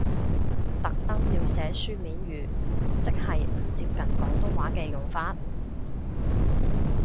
特登要寫書面語，即係唔接近廣東話嘅用法？